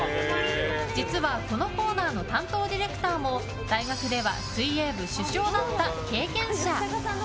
実は、このコーナーの担当ディレクターも大学では水泳部主将だった経験者。